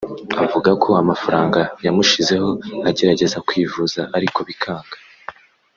Avuga ko amafaranga yamushizeho agerageza kwivuza ariko bikanga